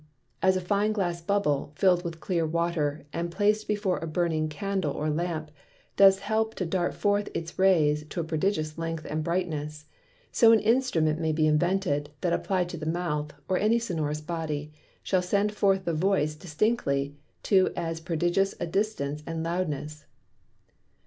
As a fine Glass Bubble, fill'd with clear Water, and placed before a burning Candle or Lamp, does help it to dart forth its Rays to a prodigious Length and Brightness: So an Instrument may be invented, that apply'd to the Mouth (or any Sonorous Body) shall send forth the Voice distinctly to as prodigious a Distance and Loudness.